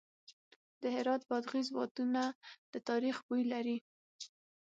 د هرات بادغیس بادونه د تاریخ بوی لري.